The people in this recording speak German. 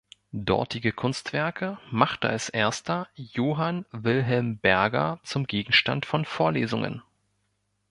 Dortige Kunstwerke machte als erster Johann Wilhelm Berger zum Gegenstand von Vorlesungen.